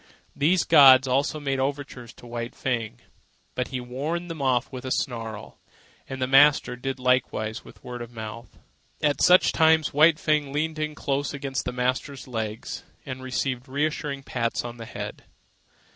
These gods also made overtures to White Fang, but he warned them off with a snarl, and the master did likewise with word of mouth. At such times White Fang leaned in close against the master's legs and received reassuring pats on the head.